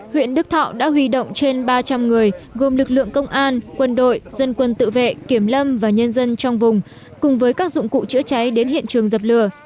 huyện đức thọ đã huy động trên ba trăm linh người gồm lực lượng công an quân đội dân quân tự vệ kiểm lâm và nhân dân trong vùng cùng với các dụng cụ chữa cháy đến hiện trường dập lửa